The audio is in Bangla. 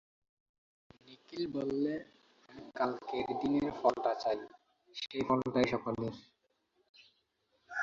নিখিল বললে, আমি কালকের দিনের ফলটা চাই, সেই ফলটাই সকলের।